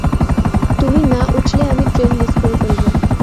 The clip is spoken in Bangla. তুমি না উঠলে আমি ট্রেন মিস করে ফেলব।